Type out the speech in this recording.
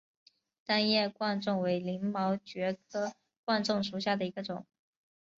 单叶贯众为鳞毛蕨科贯众属下的一个种。